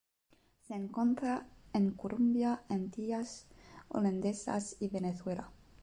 Se encuentra en Colombia, Antillas Holandesas y Venezuela.